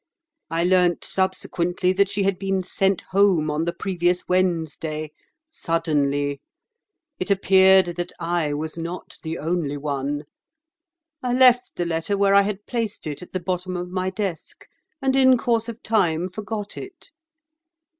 I learnt subsequently that she had been sent home on the previous Wednesday, suddenly. It appeared that I was not the only one. I left the letter where I had placed it, at the bottom of my desk, and in course of time forgot it.